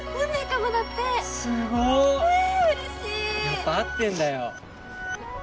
やっぱ合ってんだよ